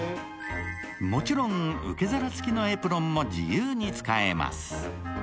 もちろん受け皿付きのエプロンも自由に使えます。